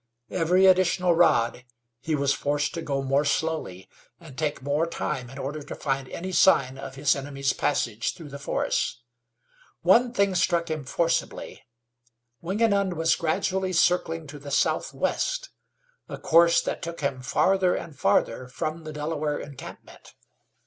Every additional rod he was forced to go more slowly, and take more time in order to find any sign of his enemy's passage through the forests. One thing struck him forcibly. Wingenund was gradually circling to the southwest, a course that took him farther and farther from the Delaware encampment.